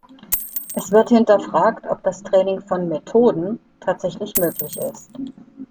Es wird hinterfragt, ob das Training von „Methoden“ tatsächlich möglich ist.